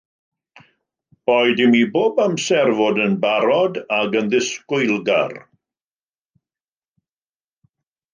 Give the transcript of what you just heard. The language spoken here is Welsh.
Boed i mi bob amser fod yn barod ac yn ddisgwylgar